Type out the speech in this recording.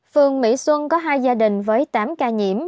phường mỹ xuân có hai gia đình với tám ca nhiễm